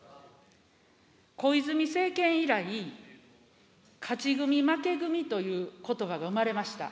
小泉政権以来、勝ち組、負け組ということばが生まれました。